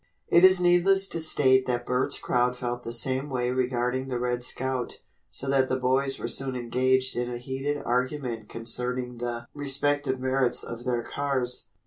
It is needless to state that Bert's crowd felt the same way regarding the "Red Scout," so that the boys were soon engaged in a heated argument concerning the respective merits of their cars.